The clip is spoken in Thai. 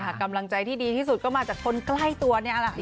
กำลังใจที่ดีที่สุดก็มาจากคนใกล้ตัวเนี่ยแหละ